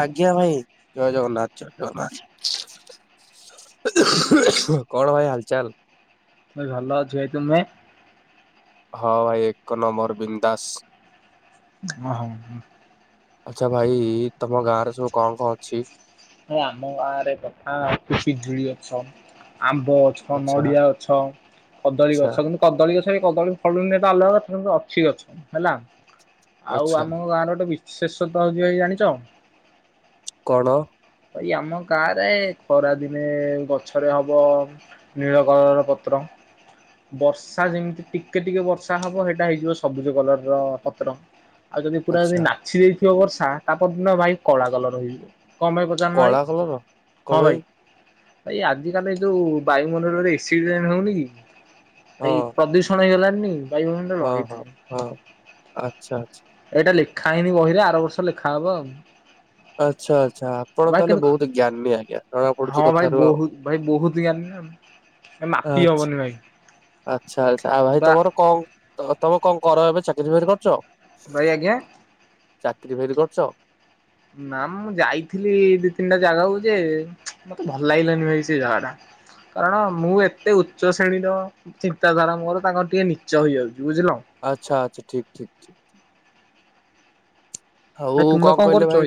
ଆଜ୍ଞା ଭାଇ ଜୟ ଜଗନ୍ନାଥ। କଣ ଭାଇ ହାଲଚାଲ? ଭଲ ଅଛି ଭାଇ ତୁମେ? ହଁ ଭାଇ ଏକ ନମ୍ବର ବିନ୍ଦାସ। ଓହୋ ହ ଆଚ୍ଛା ଭାଇ ତମ ଗାଁରେ ସବୁ କଣ କଣ ଅଛି? ଆମ ଗାଁରେ କଥା କି ପିଜୁଳି ଗଛ ଆମ୍ବ ଗଛ ଆଚ୍ଛା ନଡିଆ ଗଛ କଦଳୀ ଆଚ୍ଛା ଗଛ କିନ୍ତୁ କଦଳୀ ଗଛ। ସେ କଦଳୀ ଫଳଟା ଅଲଗା ସେ ଅଛି ଗଛ ହେଲା ଆଉ ଆଚ୍ଛା ଆମ ଗାଁରେ ଗୋଟେ ବି ଶେଷ ତ ହଉଛିି‌ ଭାଇ ଜାଣିଛ? କଣ? ଏଇ ଆମ ଗାଁରେ ଖରାଦିନେ ଗଛରେ ହବ ନୀଳ କଲରର ପତ୍ର। ବର୍ଷା ଯେମିତି ଟିକେ ଟିକେ ବର୍ଷା ହବ ସେଇଟା ହେଇଯିବ ସବୁଜ କଲର ର ପତ୍ର ଆଉ ଯଦି ପୁରା ଯଦି ଆଚ୍ଛା ନାଛି ଦେଇଥିବ ବର୍ଷା ତା ପରଦିନ ଭାଇ କଳା କଲର ହେଇଯିବ କଣ ପାଇଁ? ପଚାରୁନ ଭାଇ? କଳା କଲର କଣ ଭାଇ? ଏଇ ଆଜିକାଲି ଏ ଯୋଉ ବାୟୁମଣ୍ଡଳରେ ଏସିଡ ରେନ୍ ହଉନି କି ହଁ ଏଇ ପ୍ରଦୂଷଣ ହେଇଗଲା ହଁ ହଁ ହଁ ଆଚ୍ଛା ଆଚ୍ଛା। ଏଇଟା ଲେଖା ହେଇନି ବହିରେ ଆର ବର୍ଷ ଲେଖାହବ ଆଉ। ଆଚ୍ଛା ଆଚ୍ଛା ଆପଣ ଭାଇ ତାହେଲେ କିନ୍ତୁ ବହୁତୁ ଜ୍ଞାନୀ ଆଜ୍ଞା ଜଣା ହଁ ପଡୁଛି ଭାଇ କଥାରୁ ଆଉ। ବହୁତ ଭାଇ ବହୁତ ଜ୍ଞାନୀ ନା ମ ଏ ମାପି ଆଚ୍ଛା। ହବନି ଭାଇ। ଆଚ୍ଛା ଆଚ୍ଛା ଆଉ ଭାଇ ବା ତମର କଣ ତ-ତମେ କଣ କର ଏବେ ଚାକିରି ବାକିରି କରୁଛ? ଭାଇ ଆଜ୍ଞା। ଚାକିରି ବାକିରି କରୁଛ? ନା ମୁଁ ଯାଇଥିଲି ଏଇ ଦି ତିନିଟା ଜାଗା କୁ ଯେ ମତେ ଭଲ ଲାଗିଲାନି ଭାଇ ସେ ଜାଗା ଟା। କାରଣ ମୁଁ ଏତେ ଉଚ୍ଚ ଶ୍ରେଣୀର ଚିନ୍ତାଧାରା ମୋର ତାଙ୍କର ଟିକେ ନିଚ ହେଇଯାଉ ଆଚ୍ଛା ଆଚ୍ଛା ଠିକ ଠିକ ଠିକ ଠିକ। ଆଉ ଭାଇ ତୁମେ କଣ କହିଲେ କରୁଛ ଭାଇ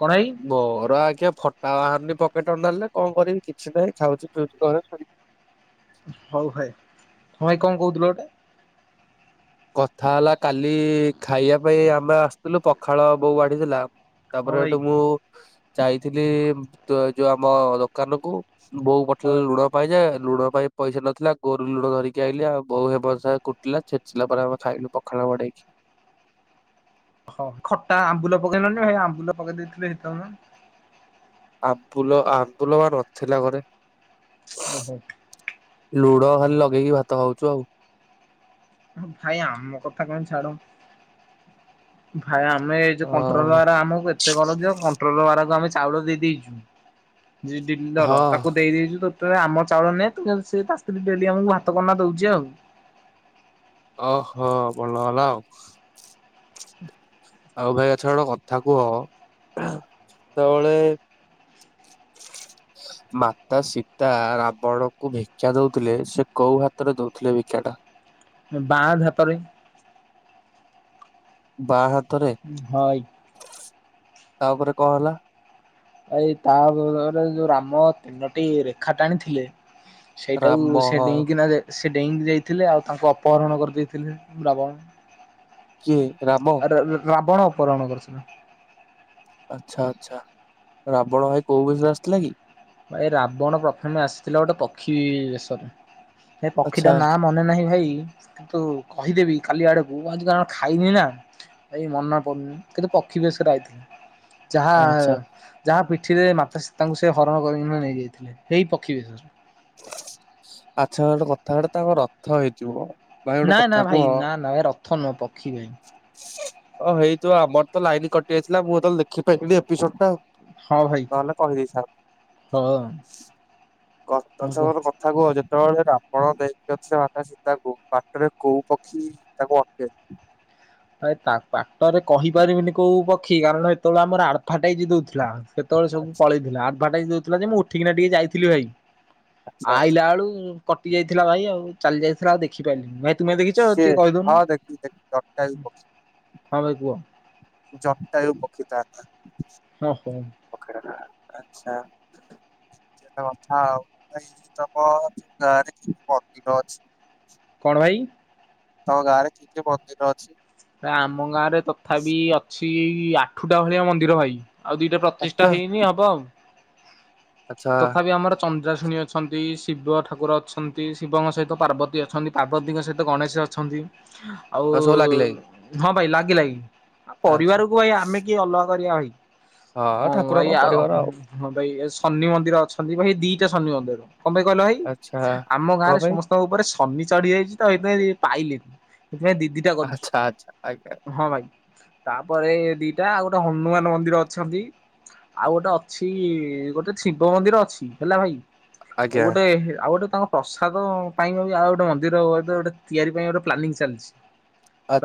କଣ ଭାଇ ମୋର ଆଜ୍ଞା ଫୋଟା ବାହାରୁନି ପ ପେଟ ଅଣ୍ଡା ଆଣିଲେ କଣ କରିବି କିଛି ନାହିଁ ଖାଉଛି ପିଉଛି ଘରେ ଶୋଇ। ହଉ ଭାଇ ହଁ ଭାଇ କଣ କହୁଥିଲ ଗୋଟେ? କଥା ହେଲା କାଲି ଖାଇବା ପାଇଁ ଆମେ ଆସିଥିଲୁ ପଖାଳ ବୋଉ ବାଢିଥିଲା। ହଁ ତାପରେ ଭାଇ ସେଠୁ ମୁଁ ଯାଇଥିଲି ତ ଯୋଉ ଆମ ଦୋକାନ କୁ। ବୋଉ ହଁ ପଠେଇଲା ଭାଇ। ଲୁଣ ପାଇ ଯେ। ଲୁଣ ପାଇଁ ପଇସା ନଥିଲା ଗୋରୁ ଲୁଣ ଧରିକି ଆଇଲି ଆଉ ବୋଉ ହେ ବର୍ଷାଏ କୁଟିଲା ଛେ ଆସିଲା ପରେ ଆମର ଖାଇଲୁ ପଖାଳ ବାଡେଇକି। ହଁ ଖଟା ଆମ୍ବୁଲ ପକେଇଲନି ଭାଇ ଆମ୍ବୁଲ ପକେଇ ଦେଇଥିଲେ ହେଇଥାନ୍ତା। ଆମ୍ବୁଲ୍ ଆମ୍ବୁଲ୍ ପା ନଥିଲା ଘରେ। ଓହୋ। ଲୁଣ ଖାଲି ଲଗେଇକି ଭାତ ଖାଉଛୁ ଆଉ। ଭାଇ ଆମ କଥା କଣ ଛାଡ଼ ଭା ଭାଇ ଆମେ ଏଇ ଅ ଯଉ କଣ୍ଟ୍ରୋଲ ଦ୍ଵାରା ଆମକୁ ଏତେ କରାଜିବ କ ପେଟ୍ରୋଲ ବାରାକୁ ଆମେ ଚାଉଳ ଦେଇ ଦେଇଛୁ ଯିଏ ଡିଲର ହଁ ତାକୁ ଦେଇ ଦେଇଛୁ ତ ତୋର ଆମ ଚାଉଳ ନେ ତୁ କେମିତି ସେ ତା ସ୍ତ୍ରୀ ଡେଲି ଆମକୁ ଭାତ କନା ଦଉଛି ଆଉ। ଓହୋ ଭଲ ହେଲା ଆଉ। ହୁଁ। ଆଉ ଭାଇ ଆଚ୍ଛା ଗୋଟେ କଥା କୁହ ଯେତେବେଳେ? [unintelligible] ମାତା ସୀତା ରାବଣକୁ ଭିକ୍ଷା ଦଉଥିଲେ ସେ କୋଉ ହାତରେ ଦଉଥିଲେ ଭିକ୍ଷାଟା? ଏ ବାଁ ତ ହାତରେ। ବାଁ ହା ଭାଇ। ତାପରେ କଣ ହେଲା? ଭାଇ ତାପରେ ତମର ଯୋଉ ରାମ ତିନୋଟି ରେଖା ଟାଣିଥିଲେ। ସେଇଟାକୁ ରାମ ସେ ଡେଇଁକିନା ଯେ ସେ ଡେଇଁକି ଯାଇଥିଲେ ଆଉ ତାଙ୍କୁ ଅପହରଣ କରିଦେଇଥିଲେ ରାବଣ। କିଏ? ରାମ ଆରେ ରା-ରାବଣ ଅପହରଣ କରୁଛି ନା। ଆଚ୍ଛା ଆଚ୍ଛା ରାବଣ ଭାଇ କୋଉ ବେଶ ରେ ଆସିଥିଲା କି? ଭାଇ ରାବଣ ପ୍ରଥମେ ଆସିଥିଲା ଗୋଟେ ପକ୍ଷୀ ବେଶରେ। ସେ ପକ୍ଷୀଟା ଆଚ୍ଛା ନାଁ ମନେ ନାହିଁ ଭାଇ। କି କିନ୍ତୁ କହିଦେବି କାଲି ଆଡକୁ ଆଜି କାରଣ ଖାଇନି ନା। ଏଇ ମନ ପଡୁନି କିନ୍ତୁ ପକ୍ଷୀ ବେଶ୍ ରେ ଆଇଥିଲେ। ଯାହା ଆଚ୍ଛା ଯାହା ପିଠିରେ ମାତା ସୀତାଙ୍କୁ ସେ ହରଣ କରିକିନା ନେଇଯାଇଥିଲେ ହେଇ ପକ୍ଷୀ ବେଶରେ। ଆଚ୍ଛା ଗୋଟେ କଥା ହେଟା ତାଙ୍କ ରଥ ହେଇଥିବ। ଭାଇ ଗୋଟେ ନା ନା କଥା କୁହ ଭାଇ ନା ନା ଏ ରଥ ନୁହ ପକ୍ଷୀ ପାଇଁ। ଓ ହେଇ ଥିବ, ଆମର ତ ଲାଇନ କଟିଯାଇଥିଲା ମୁଁ ତ ଦେଖିପାରିନି ଏପିସୋଡ ଟା । ହଁ ଭାଇ। ହଁ । କତଛବର କଥା କୁହ ଯେ ଯେତେବେଳେ ରାବଣ ନେଇ ଯାଇଥିଲେ ସୀତାଙ୍କୁ, ବାଟରେ କୋଉ ପକ୍ଷୀ ତାଙ୍କୁ ଅଟେକେଇଲେ? ଭାଇ ତା ବାଟରେ କହିପାରିବିନି, କୋଉ ପକ୍ଷୀ କାରଣ ସେତେବେଳେ ଆମର, ଆଡଫାଟାଇଯ ଦଉଥିଲା । ସେତେବେଳେ ସବୁ ଆଚ୍ଛା ପଳେଇଥିଲା, ଆଡଭାଟାଇଜ ଦଉଥିଲା, ଯେ ମୁଁ ଉଠିକିନା ଟିକେ ଯାଇଥିଲି ଭାଇ ଆଚ୍ଛା। ଆଇଲା ବେଳୁ କଟି ଯାଇଥିଲା ଭାଇ। ଆଉ ଚାଲି ଯାଇଥିଲା, ଆଉ ଦେଖିପାରିଲିନି ଭାଇ। ତୁମେ ଦେଖିଛ ସେ ଟିକେ ହଁ କହିଦଉନୁ। ଦେଖିଚି, ଦେଖି ଜପଟା ହଁ ଭାଇ କୁହ ପକ୍ଷି ତା ନା। ହଁ ହୋ । ଆଛା । କଥା ତ ଘରେ [unintelligible] କଣ ଭାଇ? ତମ ଗାଁ ରେ କି କି ମନ୍ଦିର ଅଛି? ଆମ ଗାଁ ରେ ତଥାପି ଅଛି, ଆଠୁଟା ଭଳିଆ ମନ୍ଦିର ଭାଇ। ଆଉ ଦିଟା ଆଚ୍ଛା ପ୍ରତିଷ୍ଠା ହେଇନି, ହବ ଆଉ। ଆଚ୍ଛା ତଥାପି ଆମର ଚ ପୂଜା ଶୁଣି ଅଛନ୍ତି ।ଶିବ ଠାକୁର ଅଛନ୍ତି ।ଶିବଙ୍କ ସହିତ ପାର୍ବତୀ ଅଛନ୍ତି। ପାର୍ବତୀଙ୍କ ସହିତ ଗଣେଶ ଅଛନ୍ତି। ଆଉ, ସବୁ ଲାଗିଲାଣି ହଁ ଭାଇ ଲାଗିଲାଗି ଆଚ୍ଛା ପରିବାରକୁ ଭାଇ ଆମେ କିଏ ଅଲଗା କରିବା ଭାଇ। ହଁ ଭାଇ, ଆଉ ଭାଇ ଏସ୍ ଶନି ମନ୍ଦିର ଅଛନ୍ତି। ଭାଇ ଦିଟା ଶନି ମନ୍ଦିର, କଣ ପାଇଁ କହିଲ ଭାଇ, ଆଚ୍ଛା ଆମ କଣ ଗାଁରେ ପାଇଁ ସମସ୍ତଙ୍କ ଉପରେ ଫନୀ ଚଢି ଯାଇଛି ତ ଏଥି ପାଇଁ ପାଇଲିନି । ସେଥିପାଇଁ ଦିଦିଟା କରୁଛୁ ଆଚ୍ଛା ଆଚ୍ଛା ଆଜ୍ଞା ।ହଁ ଭାଇ ତାପରେ ଦି ଏଇଟା ଆଉ ଗୋଟେ ହନୁମାନ ମନ୍ଦିର ଅଛନ୍ତି ।ଆଉ ଗୋଟେ ଅଛି ଗୋଟେ ସି ଶିବ ମନ୍ଦିର ଅଛି ହେଲା ଭାଇ, ଆଉ ଆଜ୍ଞା ଗୋଟେ ଆଉ ଗୋଟେ ତାଙ୍କ ପ୍ରସାଦ ପାଇଁ, ଆଉ ଗୋଟେ ମନ୍ଦିର ହବ ଏବେ ଗୋଟେ ତିଆରି ପାଇଁ ଗୋଟେ ପ୍ଲାନିଂ ଚାଲିଛି।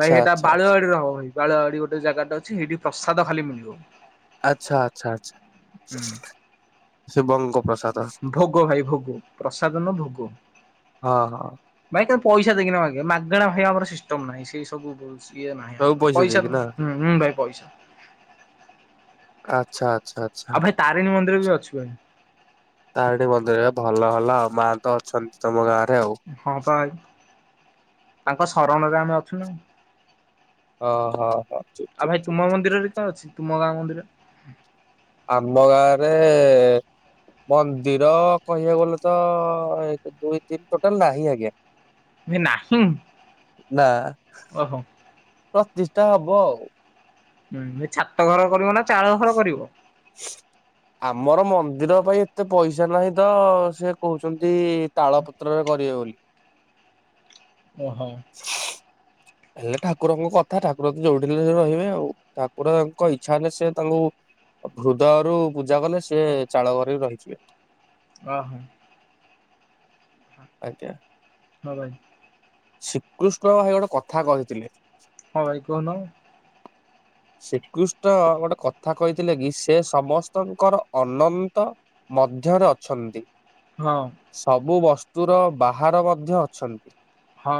ଭାଇ ହେଇଟା ଆଚ୍ଛା ଆଚ୍ଛା। ବାଳୁଆଡିରେ ହବ ଭାଇ। ବାଳୁଆଡିରେ ଗୋଟେ ଜାଗା ଟା ଅଛି ହେଇଠି ପ୍ରସାଦ ଖାଲି ମିଳିବ। ଆଛା, ଆଛା, ଆଛା। ହୁଁ ଭୋଗ ଭାଇ ଭୋଗ, ପ୍ରସାଦ ନୁହଁ ଭୋଗ। ହଁ ହଁ ଭାଇ ତମେ ପଇସା ଦେଇକିନା ମାଗୀବ। ମାଗଣା ଭାଇ ଆମର ସିଷ୍ଟମ ନହିଁ। ସେଇ ସବୁ କିଏ ନାହିଁ ସବୁ ଆମର, ପଇସା ଦେଇକି ହୁଁ, ନା ହଁ ଭାଇ ପଇସା। ଆଚ୍ଛା ଆଚ୍ଛା। ଆଚ୍ଛା ଆଉ ଭାଇ ତାରିଣୀ ମନ୍ଦିର, ବି ଅଛି ଭାଇ। ତାରିଣୀ ମନ୍ଦିର ଭଲ ହେଲା, ଆଉ ମା ତ ଅଛନ୍ତି ତମ ଗାଁରେ। ଆଉ। ହଁ ପା ଭାଇ, ତାଙ୍କ ଶରଣରେ ଆମେ ଅଛୁନା। ଓ, ହୋ, ହୋ। ଠିକ ଆଉ ଠିକ ଭାଇ ଠିକ ତୁମ ମନ୍ଦିରରେ କଣ ଅଛି? ତୁମ ଗାଁ ମନ୍ଦିର ରେ? ଆମ ଗାଁରେ ମନ୍ଦିର କହିବାକୁ ଗଲେ ତ, ଏକ ଦୁଇ ତିନି ଟୋଟାଲ ନାହିଁ ଆଜ୍ଞା। ଭାଇ ନାହିଁ ନା, ଓହୋ ପ୍ରତି ଷ୍ଠା, ହବ ଆଉ । ହୁଁ, ଭାଇ ଛାତ ଘର କରିବ ନା? ଚାଳ ଘର କରିବ ଆମର ମନ୍ଦିର ଭାଇ ଏତେ ପଇସା ନାହିଁ ତ, ସେ କହୁଛନ୍ତି ତାଳ ପତ୍ରରେ କରିବେ ବୋଲି। ଓହୋ। ହେଲେ ଠାକୁରଙ୍କ କଥା, ଠାକୁର ତ ଯୋଉଠି ହେଲେ ରହିବେ ଆଉ। ଠାକୁରଙ୍କ ଇଚ୍ଛା ହେଲେ ସେ ତାଙ୍କୁ ହୃଦୟରୁ ପୂଜା କଲେ, ସେ ଚାଳ ଘରେ ରହିଯିବେ। ଓ ହୋ। ଆଜ୍ଞା। ହଁ ଭାଇ। ଶ୍ରୀକୃଷ୍ଣ ଭାଇ ଗୋଟେ କଥା କହିଥିଲେ। ହଁ ଭାଇ କୁହନ। ଶ୍ରୀକୃଷ୍ଣ ଗୋଟେ କଥା କହିଥିଲେ କି ସେ ସମସ୍ତଙ୍କର ଅନନ୍ତ ମ ଧ୍ୟରେ ଅଛନ୍ତି ହଁ ସବୁ ବସ୍ତୁ ର ବାହାରେ ମଧ୍ୟ ଅଛନ୍ତି। ହଁ।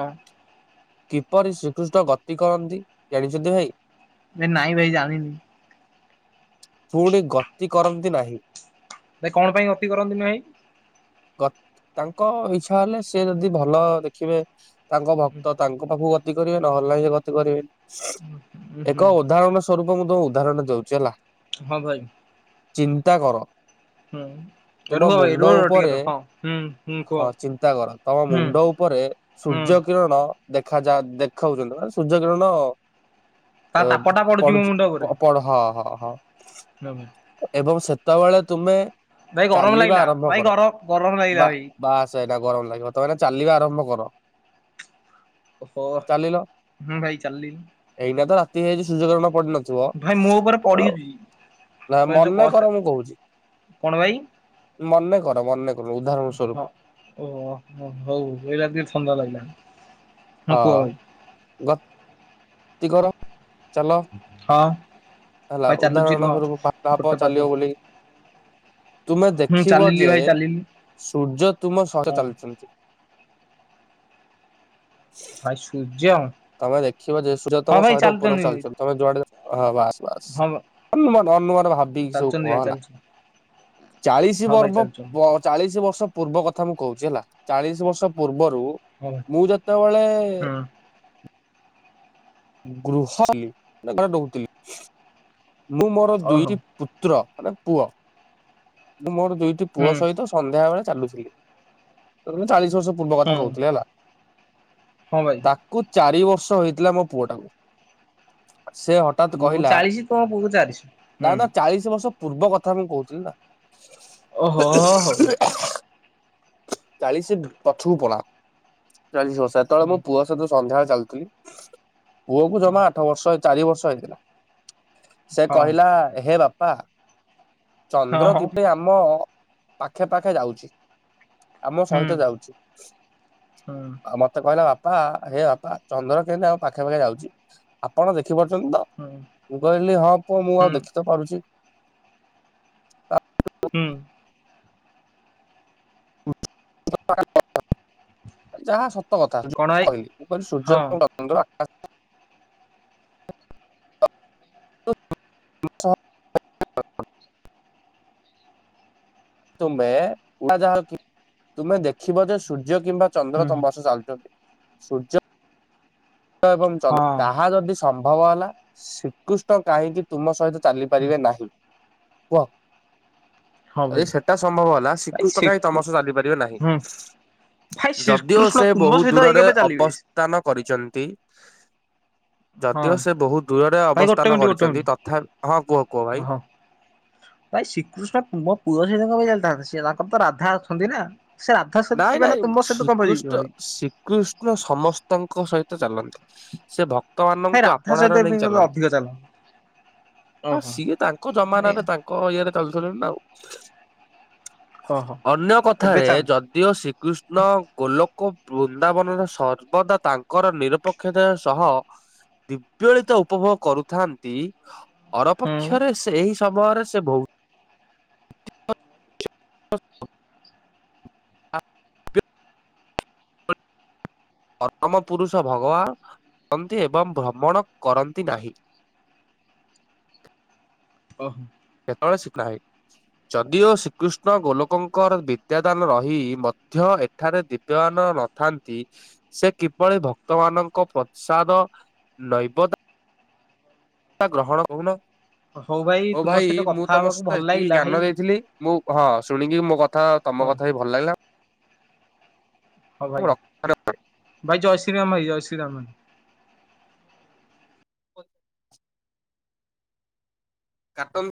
କିପରି ଶ୍ରୀକୃଷ୍ଣ ଗତି କରନ୍ତି ଜାଣିଛନ୍ତି ଭାଇ? ନାଇଁ ଭାଇ ଜାଣିନି। ପୁଣି ଗତି କରନ୍ତି ନାହିଁ ଭାଇ କଣ ପାଇଁ ଗତି କରନ୍ତି ନି ଭାଇ? ଗତ ତାଙ୍କ ଇଚ୍ଛା ହେଲେ ସେ ଯଦି ଭଲ ଦେଖିବେ ତାଙ୍କ ଭକ୍ତ ତାଙ୍କ ପାଖକୁ ଗତି କରିବେ ନହେଲେ ନାହିଁ ସେ ଗତି କରିବେନି ହୁଁ ଏକ ଉଦାହରଣ ସ୍ୱରୂପ ତ ମୁଁ ତମକୁ ଉଦାହରଣ ଟେ ଦୋଉଚି ହେଲା। ହଁ ଭାଇ। ଚିନ୍ତା କର ହୁଁ ତୁମ ରୁହ ଭାଇ ମୁଣ୍ଡ ରୁହ ରୁହ ଟିକେ ଉପରେ ରୁହ ହଁ ହୁଁ ହୁଁ କୁହ ହଁ ଚିନ୍ତା କର ତମ ହୁଁ ମୁଣ୍ଡ ଉପରେ ହୁଁ ସୂର୍ଯ୍ୟକିରଣ ଦେଖାଯାଆନ୍ତ ଦେଖୋଉଚନ୍ତି ମାନେ ସୂର୍ଯ୍ୟ କିରଣ ତା ତାପ ଅପ ଟା ପଡୁଛି ମୋ ପଢୁଚି ମୁଣ୍ଡ ଉପରେ ହ ପଢ଼ ହଁ ହଁ ହଁ। ଏବଂ ସେତେବେଳେ ତୁମେ ଭାଇ ଗରମ ଚାଲିବା ଲାଗିଲା ଆରମ୍ଭ ଭାଇ କର ଗର ଗରମ ଲାଗିଲା ବା ଭାଇ ଵାଆ ସାଇ ଟା ଗରମ ଲାଗିବ ତମାନେ ଚାଲିବା ଆରମ୍ଭ କର ଓହ ଚାଲିଲ ହୁଁ ଭାଇ ଚାଲି- ତି ଆଜି ସୂଯ୍ୟକିରଣ ପଡିନଥିବ ମୋ ଉପରେ ଅ ପଡିଛି ନା ଯୋଉ ମନେ କସ କର ମୁଁ କହୁଚି କଣ ଭାଇ ମନେ କର ମନେ କର ଉଦାହରଣ ସ୍ୱରୂପ ହଁ ଓହୋ ହଉ ଏଇଲା ଟିଏ ଥଣ୍ଡା ଲାଗିଲା। ହଁ କୁହ ଭାଇ ଗତ ତିକର ଚାଲ ହଁ ହେଲା ଭାଇ ଚାଲୁଛି ରୁହ ଉଦାହରଣ ସ୍ଵରୂପ ଭା ଭାବ ଗୋଟେ ପାଦ ଚାଲିବ ବୋଲିକି ତୁମେ ହୁଁ ଦେଖିବ ଚାଲିଲି ଯେ ଭାଇ ଚାଲିଲି ସୂର୍ଯ୍ୟ ତୁମ ଶହ ହଁ ଚାଲୁଚନ୍ତି। ଭାଇ ସୂର୍ଯ୍ୟ? ତମେ ଦେଖିବ ଯେ ସୂଯ୍ୟ ହଁ ତମ ଭାଇ ଶହେ ଓପର ଚାଲୁଛନ୍ତି ଭାଇ ଚାଲୁଚନ୍ତି ତମେ ଯୁଆଡେ ହଁ ବାସ ବାସ ହଁ ଅନୁମାନ ଅନୁମାନ ଭାବିକି ସବୁ ଚାଲୁଛନ୍ତି କୁହ ଭାଇ ହେଲା। ଚାଲୁଛନ୍ତି ଚାଳିଶ ହଁ ଭାଇ ବର୍ବ ଚାଲୁଛନ୍ତି ବ ଚାଳିଶ ବର୍ଷ ପୂର୍ବ କଥା ମୁଁ କହୁଚି ହେଲା ଚାଳିଶ ବର୍ଷ ପୂର୍ବ ରୁ ହଁ ଭାଇ ମୁଁ ଯେତୋବେଳେ ହୁଁ ଗୃହ ଇ ତାଙ୍କର ଦୋଉତିଲି ମୁଁ ମୋର ଦୁଇ ଓହୋ ରି ପୁତ୍ର ମାନେ ପୁଅ ମୁଁ ମୋର ଦୁଇଟି ହୁଁ ପୁଅ ସହିତ ସନ୍ଧ୍ୟାବେଳେ ଚାଲୁଥିଲି ତତେ ସେତେଳେ ଚାଲିସି ବର୍ଷ ପୂର୍ବ ହୁଁ କଥା କଉଥିଲି ହେଲା ହଁ ଭାଇ ତାକୁ ଚାରିବର୍ଷ ହୋଇଥିଲା ମୋ ପୁଅଟାକୁ ସେ ହଠାତ୍ ତୁମକୁ କହିଲା ଚାଳିଶି ତମ ପୁଅକୁ ଚାଳିଶି ହୁଁ ନା ନା ଚାଳିଶ ବର୍ଷ ପୂର୍ବ କଥା ମୁଁ କଉଥିଲି ନାଁ। ଓହୋ ହଉ। ତ ଚାଳିଶ ପଛକୁ ପଳାଅ ଚାଳିଶ ବର୍ଷ ସେତେବେଳେ ହୁଁ ମୁଁ ପୁଅ ସହିତ ସନ୍ଧ୍ୟାଏଳେ ଚାଲଥୁଲି ପୁଅ କୁ ଜମା ଆଠବର୍ଷ ଚାରିବର୍ଷ ହେଇଥିଲା ସେ ହଁ କହିଲା ହେ ବାପା ହଁ ଚନ୍ଦ୍ର ହଁ କେବେ ଆମ ପାଖେ ପାଖେ ଯାଉଚି ଆମ ହୁଁ ସହିତ ଯାଉଚି ହୁଁ ଆଉ ମତେ କହିଲା ବାପ ପା ହେ ବାପା ଚନ୍ଦ୍ର କେମତି ଆମ ପାଖେ ପାଖେ ଯାଉଚି ଆପଣ ଦେଖ ଦେଖିପାରୁଚନ୍ତି ତ ହୁଁ ମୁଁ କଇଲି ହଁ ପୁଅ ମୁଁ ଆଉ ହୁଁ ଦେଖିତ ପାରୁଚି ହୁଁ। କ ଆ ଏ ଏ ଯାହା ସତ କଥା କଣ ଭାଇ କହିଲି ମୁଁ କହିଲି ସୂର୍ଯ୍ୟ ହଁ ଙ୍କ ପନ୍ଦର ହାସ୍ [unintelligible] ତୁମେ ଉଡ଼ାଯାହାଜ ତୁମେ ଦେଖିବ ଯେ ସୂ ର୍ଯ୍ୟ କିମ୍ବା ଚନ୍ଦ୍ର ହୁଁ ତମ୍ବାସ ଚାଲୁଚନ୍ତି। ସୂର୍ଯ୍ୟ ଏବଂ ଚନ୍ଦ୍ର ହଁ ତାହା ଯଦି ସମ୍ଭବ ହେଲା। ଶ୍ରୀକୃଷ୍ଣ କାହିଁକି ତୁମ ସହିତ ହୁଁ ଚାଲିପାରିବେ ନାହିଁ କୁହ? ହଁ ଭାଇ ଯଦି ସେଟା ସମ୍ଭବ ହେଲା। ଭାଇ ଶ୍ରୀକୃଷ୍ଣ କାଇଁ ଶ୍ରୀକୃ ତମ ସହ ଚାଲିପାରିବେ ନାହିଁ? ହୁଁ ଭାଇ ଯଦିଓ ଶ୍ରୀକୃଷ୍ଣ ସେ ତୁମ ବୋହୁ ସହିତ ଏଇ ଦୂରରେ କେବେ ଚାଲିବେ ଅବସ୍ଥାନ କରିଚନ୍ତି। ହଁ ଯଦିଓ ସେ ବହୁତ ଦୂରରେ ଭାଇ ଗୋଟେ ଅବସ୍ଥାନ ମିନିଟ୍ ଗୋଟେ କରିଚନ୍ତି ମିନିଟ୍ ତଥାପ ହଁ କୁହ କୁହ ଭାଇ। ହଁ ଭାଇ ଶ୍ରୀକୃଷ୍ଣ ମୋ ପୁଅ ସହିତ କଣ ପାଇଁ ଚାଲିଥାନ୍ତେ? ସିଏ ତାଙ୍କର ତ ରାଧା ଅଛନ୍ତି ନା। ସେ ରାଧା ସହିତ ନାଇଁ ଯିବେ ନା ନାଇଁ ତୁମ ସହିତ କଣ ପାଇଁ ଯିବେ ଶ୍ରୀକୃଷ୍ଣ ଭାଇ ଶ୍ରୀକୃଷ୍ଣ ସମସ୍ତଙ୍କ ସହିତ ଚାଲନ୍ତି ସେ ଭାଇ ଭକ୍ତମାନଙ୍କୁ ରାଧା ସହିତ ଆପଣାର ନେଇ ଚାଲନ୍ତି। ଅଧିକ ଚାଲ ଆ ଓହୋ ସିଏ ତାଙ୍କ ଜମାନାରେ ତାଙ୍କ ଇଏରେ ଚାଲୁଥିଲେ ନା ଆଉ। ଓହୋ ଅନ୍ୟ ଏବେ କଥାରେ ଚାଲ ଯଦିଓ ଶ୍ରୀକୃଷ୍ଣ ଗୋଲୋକ ବୃନ୍ଦାବନରେ ସର୍ବଦା ତାଙ୍କର ନିରପକ୍ଷତା ସହ ଦିବ୍ୟଳିତ ଉପଭୋଗ କରୁଥାନ୍ତି ଅର ହୁଁ। ପକ୍ଷରେ ସେ ଏହି ସମୟରେ ସେ ବହୁ ହସ୍ ପରମ ପୁରୁଷ ଭଗବାନ କରନ୍ତି ଏବଂ ଭ୍ରମଣ କରନ୍ତି ନାହିଁ। ଓହୋ। ଆଳସିକ ନାହିଁ। ଯଦିଓ ଶ୍ରୀକୃଷ୍ଣ ଗୋଲୋକଙ୍କର ବିଦ୍ୟାଦାନ ରହି ମଧ୍ୟ ଏଠାରେ ଦିବ୍ୟାମାନ ନଥାନ୍ତି ସେ କିଭଳି ଭକ୍ତ ମାନଙ୍କ ପ୍ରସାଦ ନୈବଦ ଗ୍ରହଣ ହଉନ ହଉ ତୁମ ଭାଇ ସହିତ ମୁଁ କଥା ତମ ହବାକୁ ସହିତ ଭଲ ଏତିକି ଲାଗିଲା ଭାଇ ଜ୍ଞାନ ଦେଇଥିଲି ମୁଁ ହଁ ଶୁଣିକି ମୋ କଥା ହଁ ତମ କଥା ହି ଭଲ ଲାଗିଲା ହଁ ଭାଇ ଭାଇ ଜୟ ଶ୍ରୀ ରାମ ଭାଇ ଜୟ ଶ୍ରୀ ରାମ। ହ କାଟନି